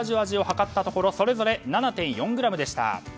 味を量ったところそれぞれ７．４ｇでした。